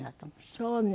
そうね。